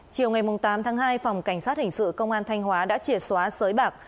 chiều ngày tám tháng hai phòng cảnh sát hình sự công an thanh hóa đã chìa xóa sới bạc